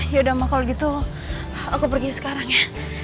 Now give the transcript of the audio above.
ya udah mah kalau gitu aku pergi sekarang ya